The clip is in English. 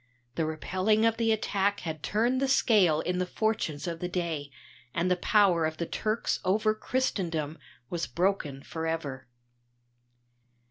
The repelling of the attack had turned the scale in the fortunes of the day, and the power of the Turks over Christendom was broken for ever.